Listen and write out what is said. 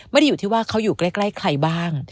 ไม่ได้อยู่ที่ว่าเขาอยู่ใกล้ใครบ้าง